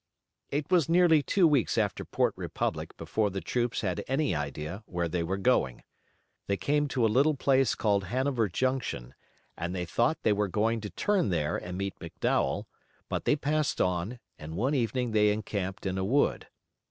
It was nearly two weeks after Port Republic before the troops had any idea where they were going. They came to a little place called Hanover Junction and they thought they were going to turn there and meet McDowell, but they passed on, and one evening they encamped in a wood.